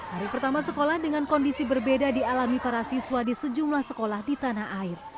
hari pertama sekolah dengan kondisi berbeda dialami para siswa di sejumlah sekolah di tanah air